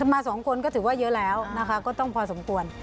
มา๒คนก็ถือว่าเยอะแล้วก็ต้องพอสมควร